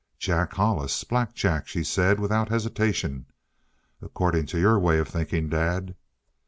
"Jack Hollis Black Jack," she said, without hesitation. "According to your way of thinking, Dad!"